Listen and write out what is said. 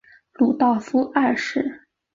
鲁道夫二世。